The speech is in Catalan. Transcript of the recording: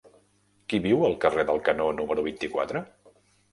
Qui viu al carrer del Canó número vint-i-quatre?